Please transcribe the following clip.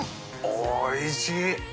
おいしい。